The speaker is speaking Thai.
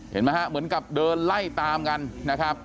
เห็นไหมฮะเหมือนกับเดินไล่ตามกันนะครับ